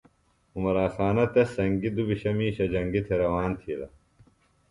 عمراخانہ تس سنگیۡ دُبھشہ مِیشہ جنگی تھےۡ روان تِھیلہ